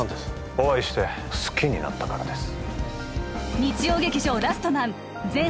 お会いして好きになったからです